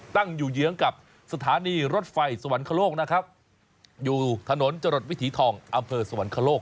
ตั้งอยู่เยื้องกับสถานีรถไฟสวรรคโลกนะครับอยู่ถนนจรดวิถีทองอำเภอสวรรคโลก